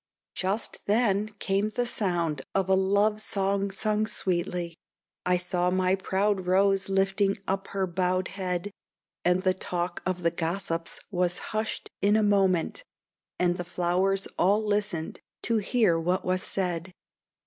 Just then came the sound of a love song sung sweetly, I saw my proud Rose lifting up her bowed head; And the talk of the gossips was hushed in a moment, And the flowers all listened to hear what was said.